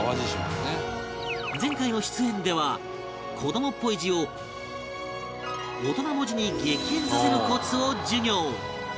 前回の出演では子どもっぽい字を大人文字に激変させるコツを授業